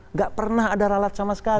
nggak pernah ada ralat sama sekali